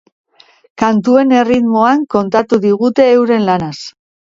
Kantuen erritmoan kontatu digute euren lanaz.